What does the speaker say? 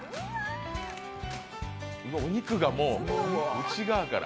お肉がもう内側から。